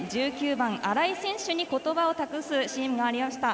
１９番、新井選手に言葉を託すシーンもありました。